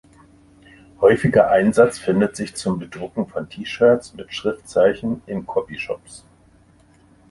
Häufiger Einsatz findet sich zum Bedrucken von T-Shirts mit Schriftzeichen in Copy-Shops.